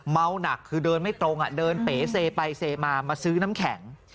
เมาหนักคือเดินไม่ตรงเดินเป๋เซไปเซมามาซื้อน้ำแข็ง